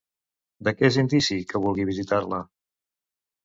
De què és indici, que vulgui visitar-la?